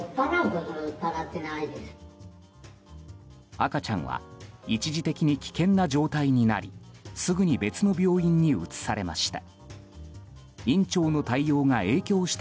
赤ちゃんは一時的に危険な状態になりすぐに別の病院に移されました。